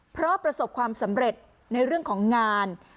เพราะประสบความสำเร็จในเรื่องของงาน